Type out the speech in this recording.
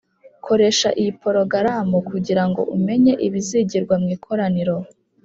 Koresha iyi porogaramu kugira ngo umenye ibizigirwa mu ikoraniro